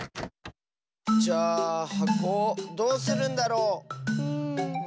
じゃあはこをどうするんだろう？ん。